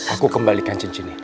aku kembalikan cincin ini